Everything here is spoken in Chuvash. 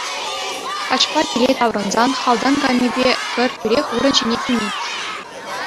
Каҫпа киле таврӑнсан халтан кайнипе хӗр тӳрех вырӑн ҫине тӳнет.